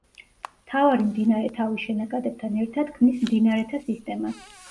მთავარი მდინარე თავის შენაკადებთან ერთად ქმნის მდინარეთა სისტემას.